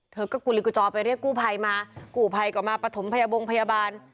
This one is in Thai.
เธอก็กุลิกุจอไปเรียกกู้ภัยมากู้ภัยก็มาปฐมพยาบงพยาบาล